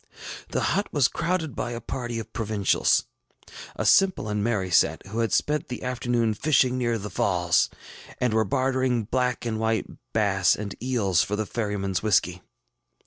The hut was crowded by a party of provincials, a simple and merry set, who had spent the afternoon fishing near the Falls, and were bartering black and white bass and eels for the ferrymanŌĆÖs whiskey.